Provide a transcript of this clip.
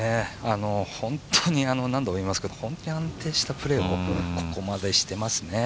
何度も言いますけど、本当に安定したプレーをここまでしていますね。